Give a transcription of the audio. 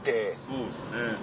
そうですね。